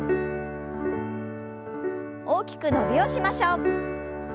大きく伸びをしましょう。